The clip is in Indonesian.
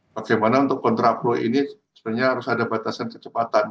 bagaimana untuk kontraproy ini sebenarnya harus ada batasan kecepatan